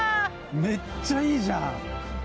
めっちゃいいじゃん！